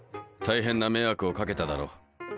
大変な迷惑をかけただろう。